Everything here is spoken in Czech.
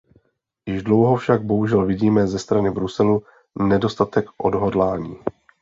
Již dlouho však bohužel vidíme ze strany Bruselu nedostatek odhodlání.